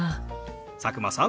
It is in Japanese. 佐久間さん